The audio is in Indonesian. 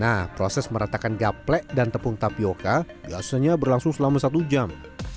nah proses meratakan gaplek dan tepung tapioca biasanya berlangsung selama satu jam